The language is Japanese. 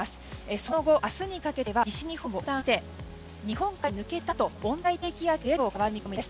その後、明日にかけては西日本を横断して日本海に抜けたあと温帯低気圧へと変わる見込みです。